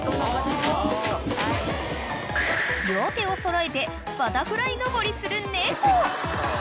［両手を揃えてバタフライ上りする猫］